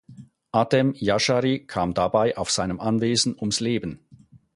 Adem Jashari kam dabei auf seinem Anwesen ums Leben.